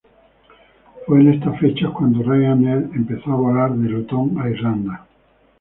Fue en estas fechas cuando Ryanair empezó a volar de Luton a Irlanda.